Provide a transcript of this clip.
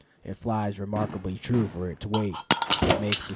It flies remarkably true for its weight, and makes a 6.